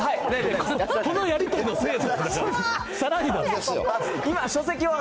このやり取りのせいでさらにや。